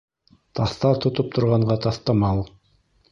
Таҫтар тотоп торғанға таҫтамал.